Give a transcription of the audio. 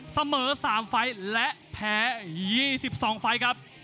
เสมอ๓ฝ่ายและแพ้๒๒ฝ่ายครับ